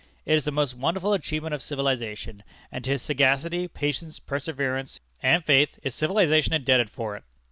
It is the most wonderful achievement of civilization; and to his sagacity, patience, perseverance, courage, and faith, is civilization indebted for it.